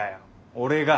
俺が。